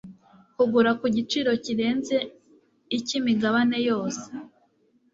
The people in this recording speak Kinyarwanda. kugura ku giciro kirenze icy imigabane yose